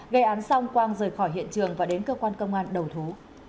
gây án xong quang rời khỏi hiện trường và đến cơ quan công an đầu thú